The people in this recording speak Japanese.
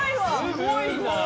すごいなあ。